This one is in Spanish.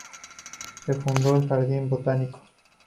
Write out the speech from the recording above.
Se fundó el jardín botánico.